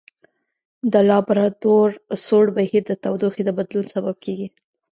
د لابرادور سوړ بهیر د تودوخې د بدلون سبب کیږي.